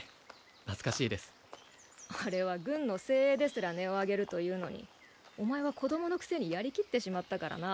懐かしいですあれは軍の精鋭ですら音を上げるというのにお前は子供のくせにやりきってしまったからな